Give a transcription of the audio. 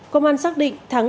công an xác định thắng